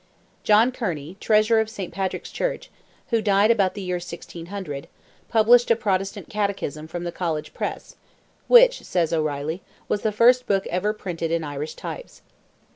John Kearney, Treasurer of St. Patrick's Church, who died about the year 1600, published a Protestant Catechism from the College Press, which, says O'Reilly, "was the first book ever printed in Irish types."